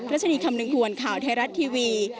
รัชนีคำนึงหวนข่าวไทยรัฐทีวี